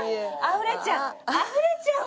あふれちゃう！